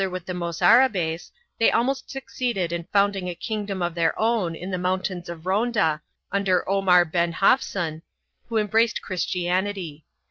4 50 THE JEWS AND THE MOORS [BOOK I rabes they almost succeeded in founding a kingdom of their own in the mountains of Ronda, under Omar ben Hafsun, who em braced Christianity.